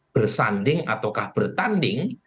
bersanding ataukah bertanding